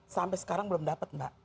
sampai sekarang belum dapat mbak